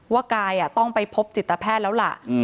กายต้องไปพบจิตแพทย์แล้วล่ะ